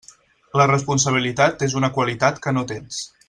La responsabilitat és una qualitat que no tens.